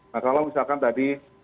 masalah misalkan tadi